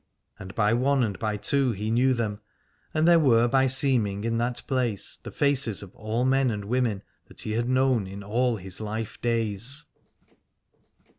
And by one and by two he knew them, and there were by seeming in that place the faces of all men and women that he had known in all his life days.